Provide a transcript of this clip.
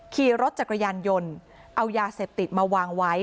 ขี่รถจักรยานยนต์เอายาเสพติดมาวางไว้